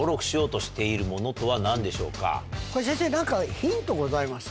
先生何かヒントございますか？